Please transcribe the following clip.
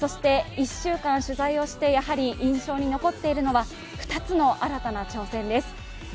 １週間取材して印象に残っているのは２つの新たな挑戦です。